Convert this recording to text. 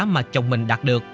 mà chồng mình đạt được